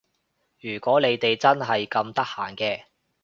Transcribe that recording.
如果你哋真係咁得閒嘅